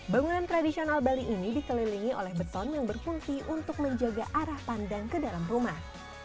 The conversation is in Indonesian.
bangunan tradisional bali ini dikelilingi oleh beton yang berfungsi untuk menjaga arah pandang ke dalam rumah